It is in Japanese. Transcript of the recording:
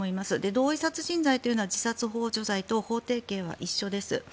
同意殺人罪というのは自殺ほう助罪と法定刑は一緒です。